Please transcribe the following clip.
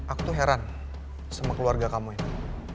aku tuh heran sama keluarga kamu ini